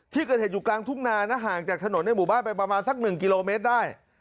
ที่เกิดเหตุอยู่กลางทุ่งนานะห่างจากถนนในหมู่บ้านไปประมาณสัก๑กิโลเมตรได้